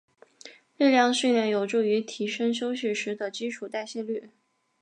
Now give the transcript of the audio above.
力量训练有助于提升休息时的基础代谢率。